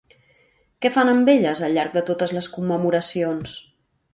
Què fan amb elles al llarg de totes les commemoracions?